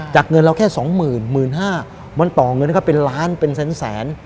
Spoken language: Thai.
เงินเราแค่สองหมื่น๑๕๐๐บาทมันต่อเงินก็เป็นล้านเป็นแสน